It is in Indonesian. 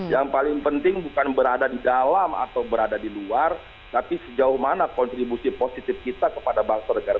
yang paling penting bukan berada di dalam atau berada di luar tapi sejauh mana kontribusi positif kita kepada bangsa negara